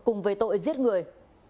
cùng với tội giết người